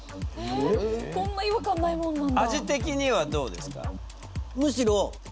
こんな違和感ないものなんだ。